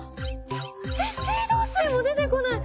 えっ水道水も出てこない！